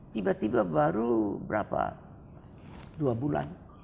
tiba tiba baru berapa dua bulan